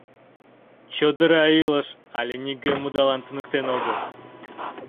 Чодыра илыш але нигӧм удалан туныктен огыл.